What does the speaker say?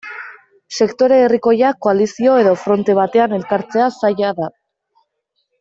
Sektore herrikoiak koalizio edo fronte batean elkartzea zaila da.